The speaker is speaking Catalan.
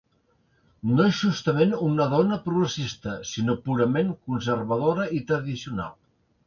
No és justament una dona progressista, sinó purament conservadora i tradicional.